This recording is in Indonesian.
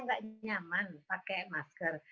nggak nyaman pakai masker